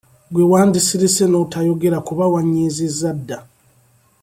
Gwe wandisirise n'otayogera kuba wanyiizizza dda.